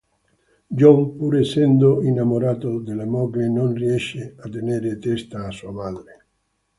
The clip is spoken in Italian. John, pur essendo innamorato della moglie, non riesce a tenere testa a sua madre.